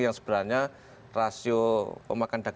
yang sebenarnya rasio pemakan daging